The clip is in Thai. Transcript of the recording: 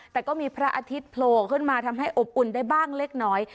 แต่ก็มีพระอาทิตย์โผล่ขึ้นมาทำให้อบอุ่นได้บ้างเล็กน้อย